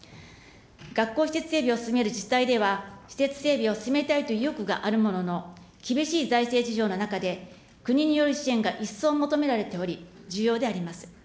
学校施設整備を進める自治体では、施設整備を進めたいという意欲があるものの、厳しい財政事情の中で、国による支援が一層求められており、重要であります。